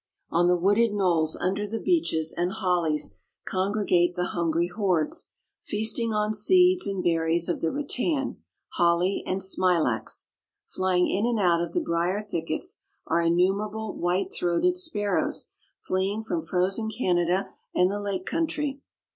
On the wooded knolls under the beeches and hollies congregate the hungry hordes, feasting on seeds and berries of the rattan, holly and smilax. Flying in and out of the briar thickets are innumerable white throated sparrows fleeing from frozen Canada and the lake country.